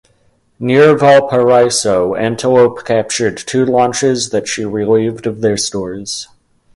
Near Valparaiso "Antelope" captured two launches that she relieved of their stores.